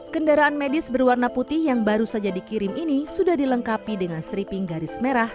kendaraan medis berwarna putih yang baru saja dikirim ini sudah dilengkapi dengan stripping garis merah